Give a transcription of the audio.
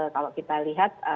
kalau kita lihat